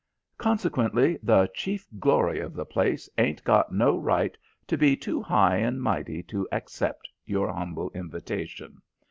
Consequently the chief glory of the place ain't got no right to be too high and mighty to accept your humble invitation.